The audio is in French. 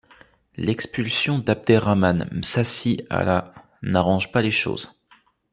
L'expulsion d'Abderrahmane Mssassi à la n'arrange pas les choses.